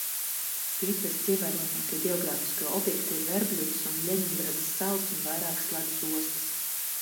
Piekrastes ievērojamākie ģeogrāfiskie objekti ir Verbļudas un Ļeņingradas salas un vairākas ledus ostas.